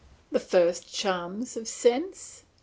The first charms of sense?